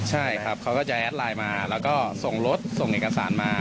ใช่ครับเขาก็จะแอดไลน์มาแล้วก็ส่งรถส่งเอกสารมา